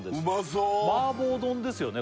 そう麻婆丼ですよね